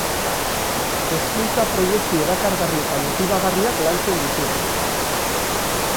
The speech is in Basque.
Hezkuntza-proiektu erakargarri eta motibagarriak lantzen ditugu.